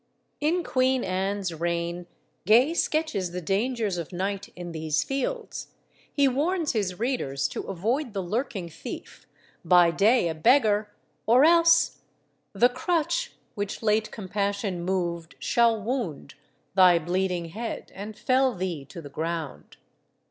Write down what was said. In Queen Anne's reign Gay sketches the dangers of night in these fields; he warns his readers to avoid the lurking thief, by day a beggar, or else "The crutch, which late compassion moved, shall wound Thy bleeding head, and fell thee to the ground.